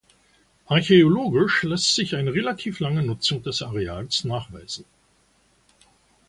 Archäologisch lässt sich eine relativ lange Nutzung des Areals nachweisen.